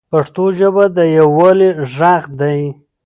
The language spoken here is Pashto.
پښتو ژبه د یووالي ږغ دی.